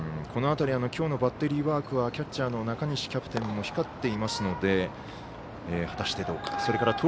この辺り今日のバッテリーワークはキャッチャーの中西キャプテン光っていますので果たして、どうか。